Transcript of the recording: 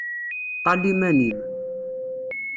Ṭṭal iman-im.